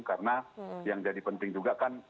karena yang jadi penting juga kan